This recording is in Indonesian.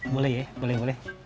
boleh ya boleh boleh